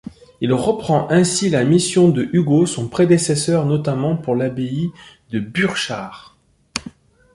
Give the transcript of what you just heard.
Il reprend ainsi la mission de Hugo, son prédécesseur, notamment pour l'abbaye de Burchard.